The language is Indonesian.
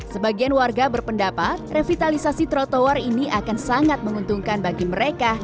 sebagian warga berpendapat revitalisasi trotoar ini akan sangat menguntungkan bagi mereka